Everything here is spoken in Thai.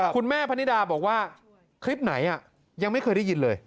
คุณแม่ภัณฑิดาบอกว่าคลิปไหนยังไม่เคยได้ยินเลย